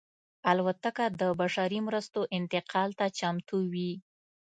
الوتکه د بشري مرستو انتقال ته چمتو وي.